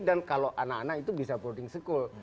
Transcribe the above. dan kalau anak anak itu bisa boarding school